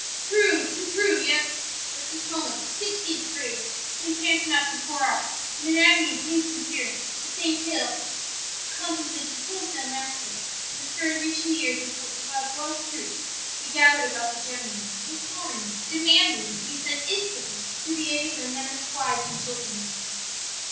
"'True, too true! yet ' "But at this moment the sixteenth courier came panting up to pour out, in an agony of haste and fear, the same tale of contemplated wholesale massacre, and the story reaching the ears of the Vaudois troops they gathered about the general, imploring, demanding to be sent instantly to the aid of their menaced wives and children.